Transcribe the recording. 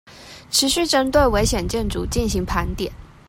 持續針對危險建築進行盤點